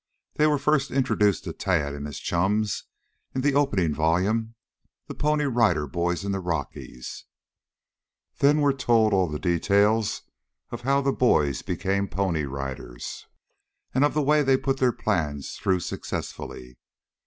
They were first introduced to Tad and his chums in the opening volume, "The Pony Rider Boys In The Rockies." Then were told all the details of how the boys became Pony Riders, and of the way they put their plans through successfully.